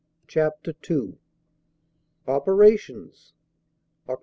CHAPTER II OPERATIONS: OCT.